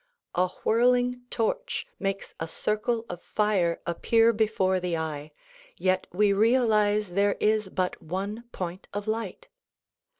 A whirling torch makes a circle of fire appear before the eye, yet we realize there is but one point of light.